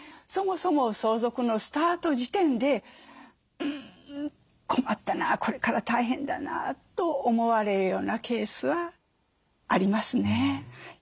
そもそも相続のスタート地点で「うん困ったな。これから大変だな」と思われるようなケースはありますね。